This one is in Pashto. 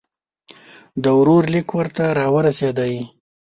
د ورور لیک ورته را ورسېدی.